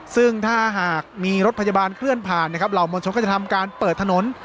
ซึ่งถ้าหากมีรถพยาบาลเคลื่อนผ่านนะครับเหล่ามวลชนก็จะทำการเปิดถนน